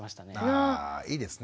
あいいですね。